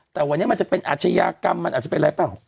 แต่วันนี้มันจะเป็นอาชญากรรมมันอาจจะเป็นอะไรเปล่า